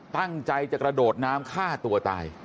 ตั้งใจจะกระโดดน้ำฆ่าตัวตาย